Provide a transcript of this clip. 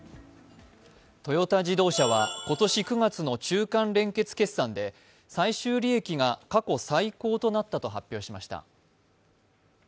トヨタ自動車は今年９月の中間連結期決算で、最終利益が過去最高となったと発表しました。